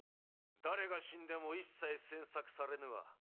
誰が死んでも一切詮索されぬわ。